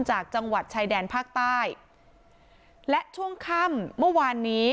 จากจังหวัดชายแดนภาคใต้และช่วงค่ำเมื่อวานนี้